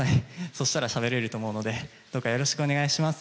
そしたらしゃべれると思うので、どうかよろしくお願いします。